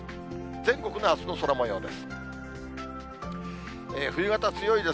全国のあすの空もようです。